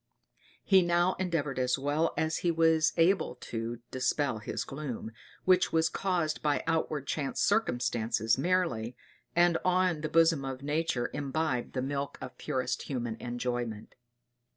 He now endeavored as well as he was able to dispel his gloom, which was caused by outward chance circumstances merely, and on the bosom of nature imbibe the milk of purest human enjoyment.